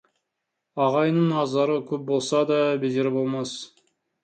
Ағайынның азары көп болса да, безері болмас.